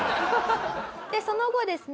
その後ですね